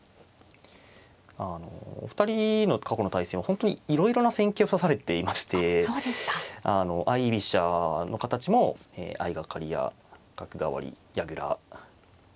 あのお二人の過去の対戦は本当にいろいろな戦型を指されていまして相居飛車の形も相掛かりや角換わり矢倉まあ